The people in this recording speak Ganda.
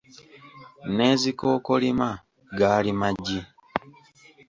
N’ezikookolima gaali magi.